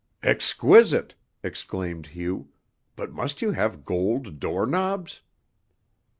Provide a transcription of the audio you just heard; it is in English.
"Exquisite!" exclaimed Hugh, "but must you have gold door knobs?"